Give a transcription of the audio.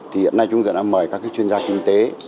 thì hiện nay chúng tôi đã mời các chuyên gia kinh tế